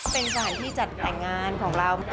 เป็นสถานที่จัดแต่งงานของเรา